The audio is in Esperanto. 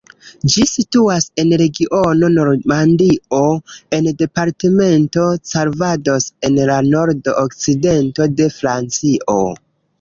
Ĝi situas en regiono Normandio en departemento Calvados en la nord-okcidento de Francio.